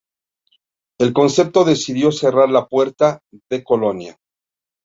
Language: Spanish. El concejo decidió cerrar la puerta de Colonia.